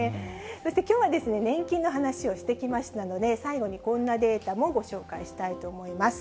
そしてきょうは、年金の話をしてきましたので、最後にこんなデータもご紹介したいと思います。